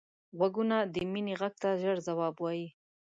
غوږونه د مینې غږ ته ژر ځواب وايي